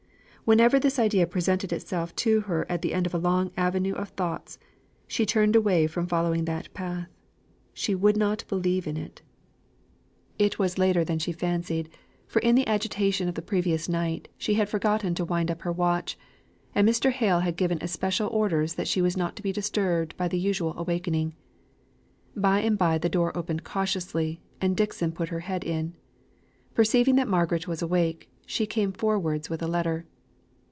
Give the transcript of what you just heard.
Whenever this idea presented itself to her at the end of a long avenue of thoughts, she turned away from following that path she would not believe in it. It was later than she fancied, for in the agitation of the previous night, she had forgotten to wind up her watch; and Mr. Hale had given especial orders that she was not to be disturbed by the usual awakening. By and by the door opened cautiously, and Dixon put her head in. Perceiving that Margaret was awake, she came forwards with a letter.